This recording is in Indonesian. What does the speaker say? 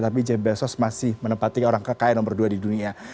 tapi ajaes bezos masih menempatkan orang kekaya nomor dua di dunia